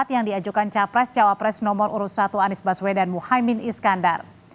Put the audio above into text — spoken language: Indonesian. yang diajukan capres cawapres nomor urut satu anies baswedan muhaymin iskandar